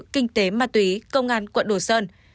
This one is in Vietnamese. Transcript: kinh tế ma túy công an quận đồ sơn